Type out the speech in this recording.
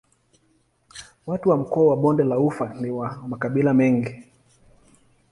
Watu wa mkoa wa Bonde la Ufa ni wa makabila mengi.